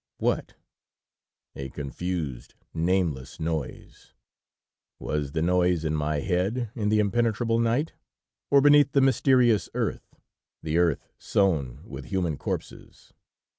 What? A confused, nameless noise. Was the noise in my head in the impenetrable night, or beneath the mysterious earth, the earth sown with human corpses?